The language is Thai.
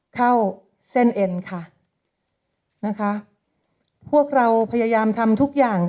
เข้าเส้นเอ็นค่ะนะคะพวกเราพยายามทำทุกอย่าง